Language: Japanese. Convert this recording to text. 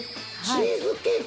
チーズケーキ？